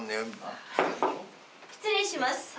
・・失礼します。